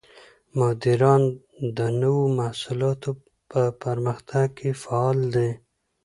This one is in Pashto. مدیران د نوو محصولاتو په پرمختګ کې فعال دي.